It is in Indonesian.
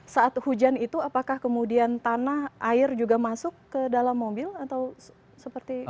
saat hujan itu apakah kemudian tanah air juga masuk ke dalam mobil atau seperti apa